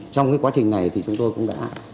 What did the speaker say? trong quá trình này thì chúng tôi cũng đã